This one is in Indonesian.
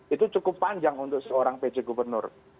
itu cukup panjang untuk seorang pj gubernur